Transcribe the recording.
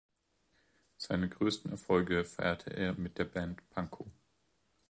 Seine größten Erfolge feierte er mit der Band Pankow.